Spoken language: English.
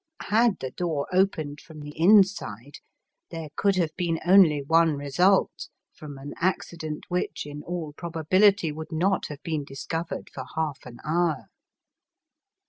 Had the door opened from the inside there could have been only one result from an accident which in all probability would not have been discovered for half an hour.